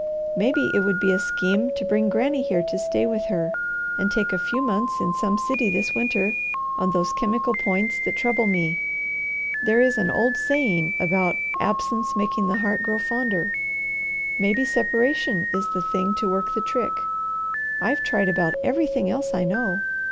Maybe it would be a scheme to bring Granny here to stay with her, and take a few months in some city this winter on those chemical points that trouble me. There is an old saying about 'absence making the heart grow fonder.' Maybe separation is the thing to work the trick. I've tried about everything else I know.